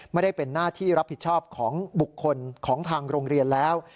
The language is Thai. ไม่ได้เป็นหน้าที่รับผิดชอบของบุคคลของทางโรงเรียนแล้ว